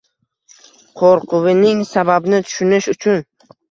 Qo‘rquvining sababini tushunish uchun